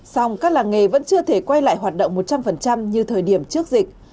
song các làng nghề vẫn chưa thể quay lại hoạt động một trăm linh như thời điểm trước dịch